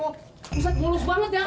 nuset mulus banget ya